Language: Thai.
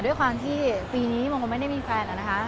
ด้วยความที่ปีนี้มันก็ไม่ได้มีแฟนแล้วนะคะ